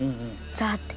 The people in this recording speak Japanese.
ザーッて。